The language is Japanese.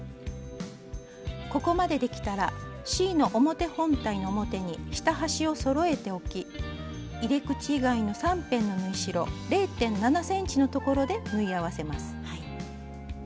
ここまでできたらＣの表本体の表に下端をそろえて置き入れ口以外の３辺の縫い代０．７ｃｍのところで縫い合わせます。